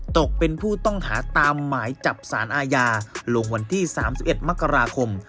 ตกเป็นผู้ต้องหาตามหมายจับสารอาญาลงวันที่๓๑มกราคม